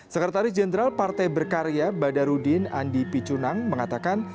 sekretaris jenderal partai berkarya badarudin andi picunang mengatakan